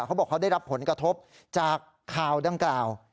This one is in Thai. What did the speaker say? เขาบอกเขาได้รับผลกระทบจากข่าวดังกล่าว